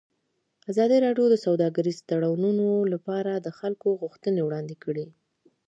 ازادي راډیو د سوداګریز تړونونه لپاره د خلکو غوښتنې وړاندې کړي.